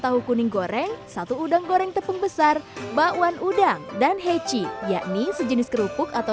tahu kuning goreng satu udang goreng tepung besar bakwan udang dan heci yakni sejenis kerupuk atau